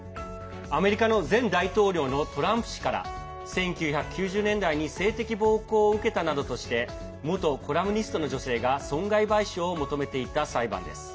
アメリカの前大統領のトランプ氏から１９９０年代に性的暴行を受けたなどとして元コラムニストの女性が損害賠償を求めていた裁判です。